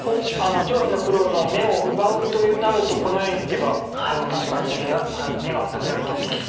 上辺の黒の眼を奪うとなるとこのように打てば確かに眼がなくなります。